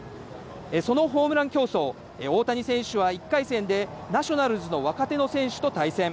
そのホームラン競争、大谷選手は１回戦でナショナルズの若手の選手と対戦。